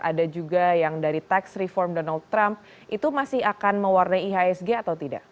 ada juga yang dari tax reform donald trump itu masih akan mewarnai ihsg atau tidak